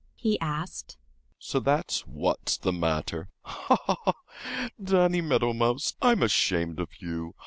he asked. "So that's what's the matter! Ha! ha! ha! Danny Meadow Mouse, I'm ashamed of you!